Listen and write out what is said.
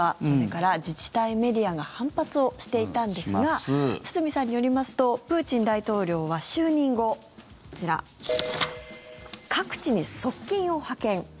それから自治体、メディアが反発をしていたんですが堤さんによりますとプーチン大統領は就任後各地に側近を派遣。